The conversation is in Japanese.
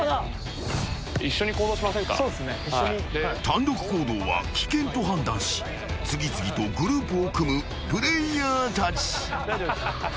［単独行動は危険と判断し次々とグループを組むプレイヤーたち］